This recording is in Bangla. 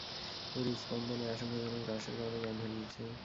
তবে হৃদস্পন্দনের আশংকাজনক হ্রাসের কারণে জ্ঞান হারিয়েছে।